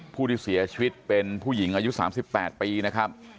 ผู้ที่เสียชีวิตเป็นผู้หญิงอายุ๓๘ปีนะครับ